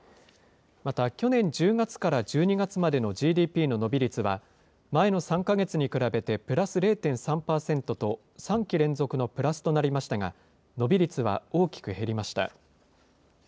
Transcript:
また、去年１０月から１２月までのＧＤＰの伸び率は、前の３か月に比べてプラス０．３％と、３期連続のプラスとなりましたが、伸び率は大きく減りました。